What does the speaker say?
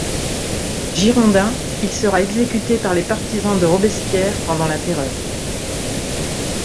Girondin, il sera exécuté par les partisans de Robespierre pendant la Terreur.